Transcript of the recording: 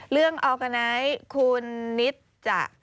เรื่องออร์กันไนต์คูณนิสจะ